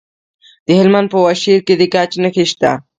د هلمند په واشیر کې د ګچ نښې شته.